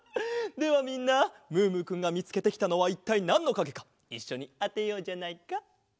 ではみんなムームーくんがみつけてきたのはいったいなんのかげかいっしょにあてようじゃないか。